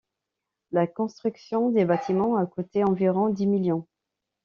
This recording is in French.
La construction des bâtiments a coûté environ dix millions.